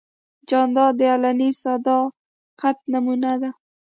جانداد د علني صداقت نمونه ده.